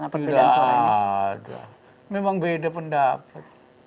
tidak ada memang beda pendapat